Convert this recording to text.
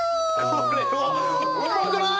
これはウマくない？